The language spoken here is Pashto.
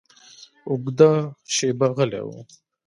اوږده شېبه غلی و.